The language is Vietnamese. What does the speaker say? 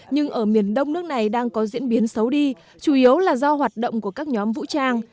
nhưng ở miền đông nước này đang có diễn biến xấu đi chủ yếu là do hoạt động của các nhóm vũ trang